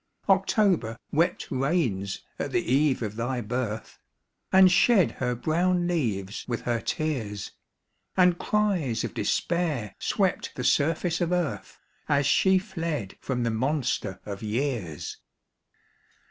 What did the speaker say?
October wept rains at the eve of thy birth, And shed her brown leaves with her tears ; And cries of despair swept the surface of earth, As she fled from the monster of years. 80 POEMS.